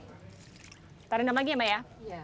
kita rendam lagi ya mbak ya